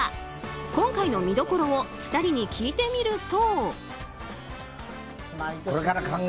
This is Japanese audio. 今回の見どころを２人に聞いてみると。